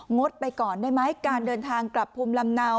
ดไปก่อนได้ไหมการเดินทางกลับภูมิลำเนา